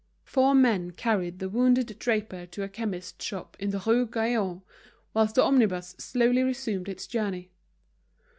Four men carried the wounded draper to a chemist's shop in the Rue Gaillon, whilst the omnibus slowly resumed its journey.